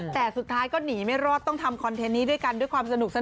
แต่สุดท้ายก็หนีไม่รอดต้องทำคอนเทนต์นี้ด้วยกันด้วยความสนุกสนาน